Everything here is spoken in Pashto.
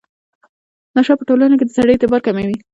نشه په ټولنه کې د سړي اعتبار کموي.